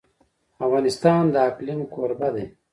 افغانستان د اقلیم کوربه دی.